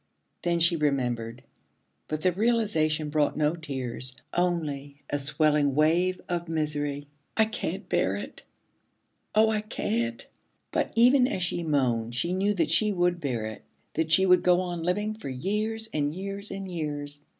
Then she remembered, but the realization brought no tears, only a swelling wave of misery. 'I can't bear it, oh, I can't!' But even as she moaned she knew that she would bear it, that she would go on living for years and years and years.